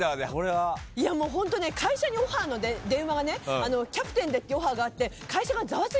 いやもうホントね会社にオファーの電話がねキャプテンでっていうオファーがあって。